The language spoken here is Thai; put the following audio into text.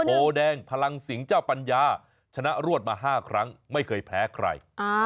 โพแดงพลังสิงห์เจ้าปัญญาชนะรวดมา๕ครั้งไม่เคยแพ้ใคร